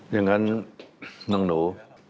อย่างนั้นน้องหนู